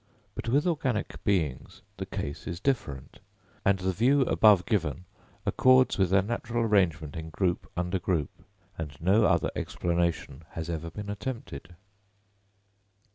But with organic beings the case is different, and the view above given accords with their natural arrangement in group under group; and no other explanation has ever been attempted.